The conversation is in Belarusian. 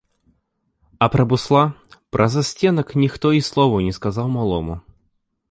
А пра бусла, пра засценак ніхто і слова не сказаў малому.